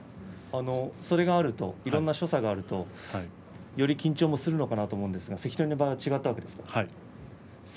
それがあるといろんな所作があるとより緊張もするのかなと思いましたが関取の場合は違ったんですね。